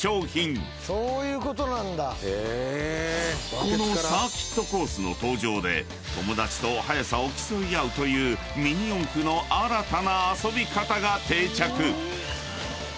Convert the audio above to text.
［このサーキットコースの登場で友達と速さを競い合うというミニ四駆の新たな遊び方が定着］